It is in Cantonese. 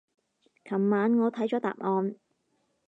琴晚我睇咗答案